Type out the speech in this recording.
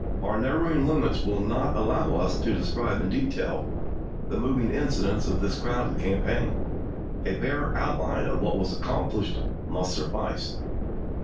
Our narrow ing limits will not allow us to describe in detail the moving incidents of this crowded campaign ; a bare outline of what was accomplished must suffice.